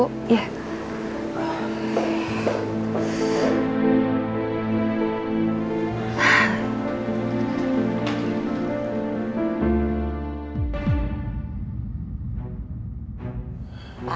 aku mau ke rumah